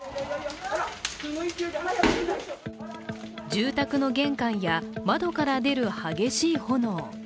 住宅の玄関や窓から出る激しい炎。